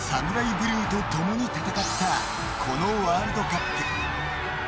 ブルーと共に戦ったこのワールドカップ。